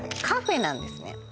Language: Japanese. カフェなんですね